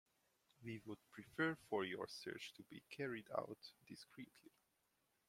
We would prefer for your search to be carried out discreetly.